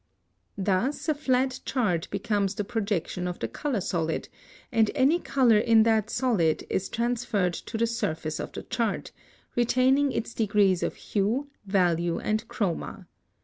(140) Thus a flat chart becomes the projection of the color solid, and any color in that solid is transferred to the surface of the chart, retaining its degrees of hue, value, and chroma.